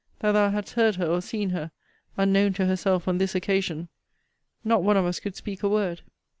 that thou hadst heard her or seen her, unknown to herself, on this occasion! Not one of us could speak a word.